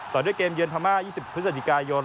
ต่อด้วยเกมเยือนพม่า๒๐พฤศจิกายน